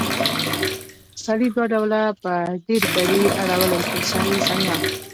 سړی دوه ډوله په ډېرګړي اړولی شو؛ سړي، سړيان.